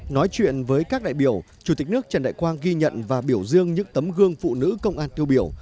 nói chuyện với các đại biểu chủ tịch nước trần đại quang ghi nhận và biểu dương những tấm gương phụ nữ công an tiêu biểu